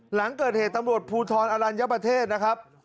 หลังเกิดเหตุตำรวจภูทรอลัญญประเทศนะครับ